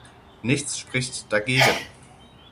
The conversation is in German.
Nichts spricht dagegen.